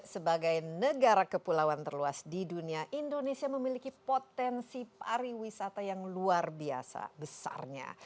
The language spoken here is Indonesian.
sebagai negara kepulauan terluas di dunia indonesia memiliki potensi pariwisata yang luar biasa besarnya